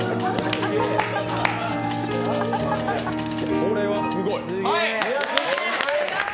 これはすごい。